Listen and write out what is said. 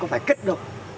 có phải kết lục